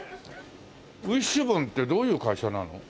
ウイッシュボンってどういう会社なの？